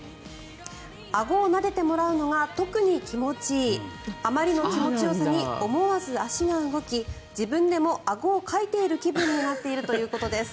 あごをなでてもらうのが特に気持ちいいあまりの気持ちよさに思わず足が動き自分でもあごをかいている気分になっているということです。